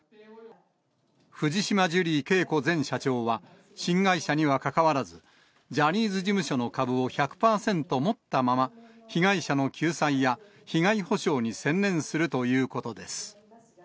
藤島ジュリー景子前社長は、新会社にはかかわらず、ジャニーズ事務所の株を１００％持ったまま、被害者の救済や被害補償に専念するということです。